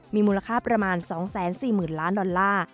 มีมูลค่าประมาณ๒๔๐๐๐ล้านดอลลาร์